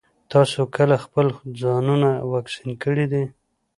تاسو کله خپل ځانونه واکسين کړي دي؟